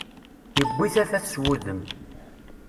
Iwwi tafat s wudem.